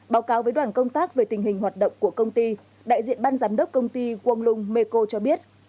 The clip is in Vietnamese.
báo cáo với đoàn công tác về tình hình hoạt động của công ty đại diện ban giám đốc công ty công lung mê công cho biết